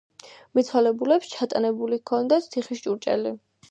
მიცვალებულებს ჩატანებული ჰქონდათ თიხის ჭურჭელი.